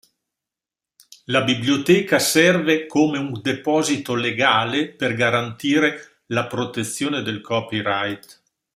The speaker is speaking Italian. La Biblioteca serve come un deposito legale per garantire la protezione del copyright.